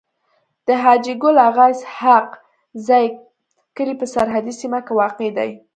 د حاجي ګل اغا اسحق زی کلی په سرحدي سيمه کي واقع دی.